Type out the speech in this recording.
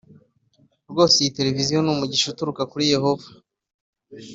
Rwose iyi televiziyo ni umugisha uturuka kuri Yehova